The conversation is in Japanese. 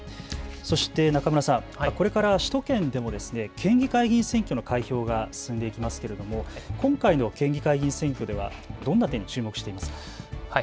そして中村さん、これから首都圏でも県議会議員選挙の開票が進んでいきますけれども今回の県議会議員選挙ではどんな点に注目していますか。